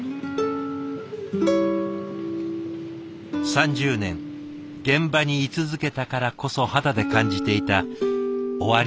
３０年現場に居続けたからこそ肌で感じていた終わりの予感。